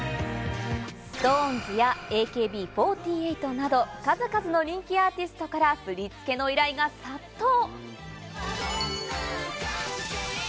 ＳｉｘＴＯＮＥＳやＡＫＢ４８など数々の人気アーティストから振り付けの依頼が殺到。